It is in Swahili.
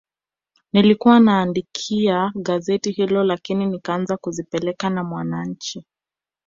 Nilikuwa naandikia gazeti hilo lakini nikaanza kuzipeleka na Mwananchi